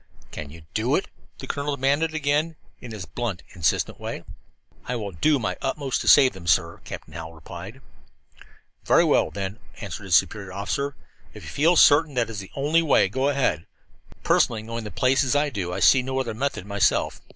"Can you do it?" the colonel demanded again, in his blunt, insistent way. "I will do my utmost to save them, sir," Captain Hallowell replied. "Very well, then," answered his superior officer. "If you feel certain that is the only way, go ahead. Personally, knowing the place as I do, I see no other method myself.